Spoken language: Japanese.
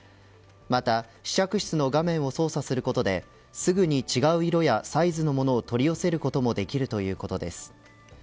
また、試着室の画面を操作することですぐに違う色やサイズのものを取り寄せることもできるということです。